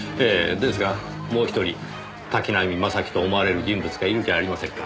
ですがもう１人滝浪正輝と思われる人物がいるじゃありませんか。